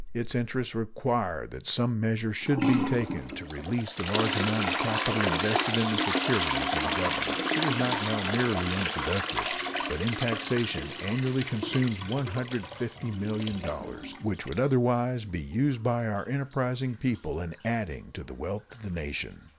Its interests require that some measure should be taken to release the large amount of capital invested in the securities of the Government. It is not now merely unproductive, but in taxation annually consumes $150,000,000, which would otherwise be used by our enterprising people in adding to the wealth of the nation.